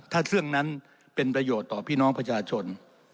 ถ้าเรื่องนั้นเป็นประโยชน์ต่อพี่น้องประชาชน